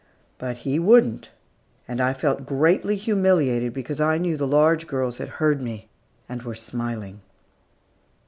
But he wouldn't, and I felt greatly humiliated, because I knew the large girls had heard me and were smiling.